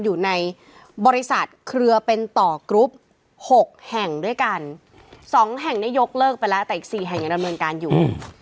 อยู่ในบริษัทเครือเป็นต่อกรุ๊ป๖แห่งด้วยกันสองแห่งนี้ยกเลิกไปแล้วแต่อีกสี่แห่งยังดำเนินการอยู่